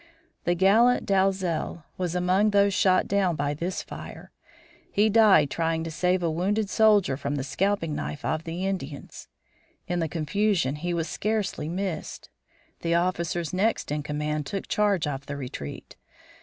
The gallant Dalzel was among those shot down by this fire. He died trying to save a wounded soldier from the scalping knife of the Indians. In the confusion he was scarcely missed. The officers next in command took charge of the retreat.